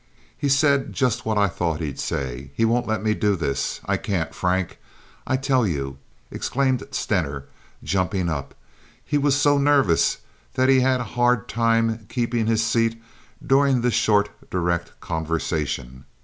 "He said just what I thought he'd say. He won't let me do this. I can't, Frank, I tell you!" exclaimed Stener, jumping up. He was so nervous that he had had a hard time keeping his seat during this short, direct conversation.